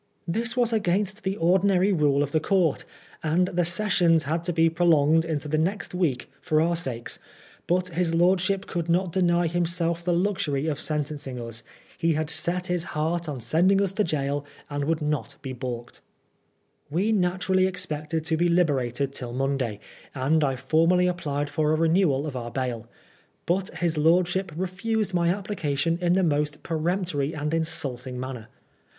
This was against the ordinary rule of the court, and the sessions had to be prolonged into the next week for our Bakes ; but his lordship could not deny himself the luxury of sentencing us. He had set his heart on send ing us to gaol, and would not be baulked. We naturally expected to be liberated till Monday, and I formally applied for a renewal of our bail. But his lordship refused my application in the most peremp tory and insulting manner.